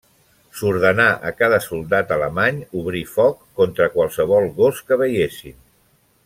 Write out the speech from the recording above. S'ordenà a cada soldat alemany obrir foc contra qualsevol gos que veiessin.